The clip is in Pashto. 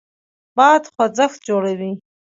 باد خوځښت جوړوي.